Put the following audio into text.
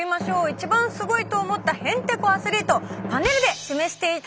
一番すごいと思ったへんてこアスリートパネルで示していただきます。